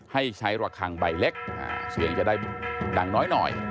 ให้ใช้ระคังใบเล็กเสียงจะได้ดังน้อยหน่อย